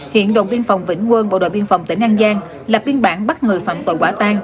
hiện đồn biên phòng vĩnh quân bộ đội biên phòng tỉnh an giang lập biên bản bắt người phạm tội quả tan